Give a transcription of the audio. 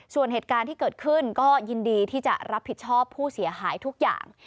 ส่วนเหตุการณ์ที่เกิดขึ้นก็ยินดีที่จะรับผิดชอบผู้เสียหายทุกอย่าง